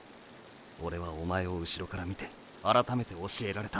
オレはおまえを後ろから見て改めて教えられた。